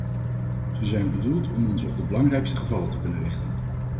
Ze zijn bedoeld om ons op de belangrijkste gevallen te kunnen richten.